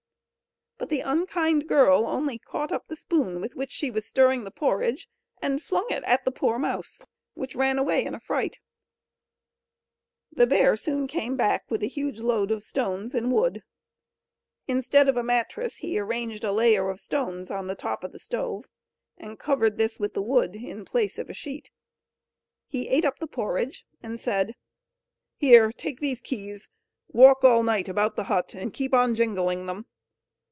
But the unkind girl only caught up the spoon with which she was stirring the porridge, and flung it at the poor mouse, which ran away in a fright. The bear soon came back with a huge load of stones and wood; instead of a mattress he arranged a layer of stones on the top of the stove, and covered this with the wood, in place of a sheet. He ate up the porridge, and said: "Here! take these keys; walk all night about the hut, and keep on jingling them.